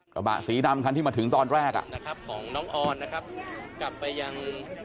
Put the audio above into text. กระบะสีดำคันที่มาถึงตอนแรกอ่ะนะครับของน้องออนนะครับกลับไปยัง